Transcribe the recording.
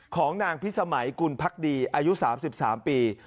ของนางพิสมัยกุลพักดีอายุ๓๓ปี